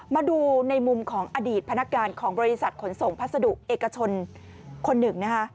มาดูในมุมของอดีตพนักการของบริษัทขนส่งพัสดุเอกชนคนหนึ่งนะคะ